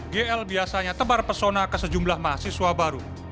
gl biasanya tebar pesona ke sejumlah mahasiswa baru